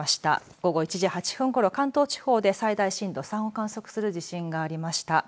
午後１時８分ごろ関東地方で震度３を観測する地震がありました。